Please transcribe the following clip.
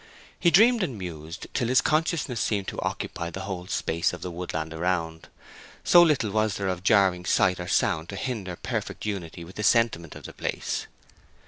He dreamed and mused till his consciousness seemed to occupy the whole space of the woodland around, so little was there of jarring sight or sound to hinder perfect unity with the sentiment of the place.